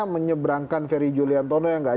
menyeberangkan ferry juliantono yang gak